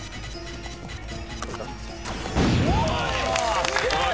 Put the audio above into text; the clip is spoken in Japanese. おい！